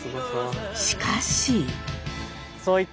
しかし。